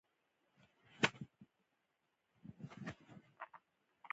نیمه شپه وه.